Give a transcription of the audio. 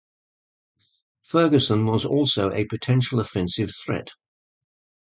Ferguson was also a potential offensive threat.